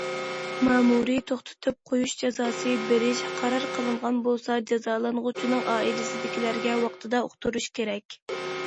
مەمۇرىي توختىتىپ قويۇش جازاسى بېرىش قارار قىلىنغان بولسا، جازالانغۇچىنىڭ ئائىلىسىدىكىلەرگە ۋاقتىدا ئۇقتۇرۇش كېرەك.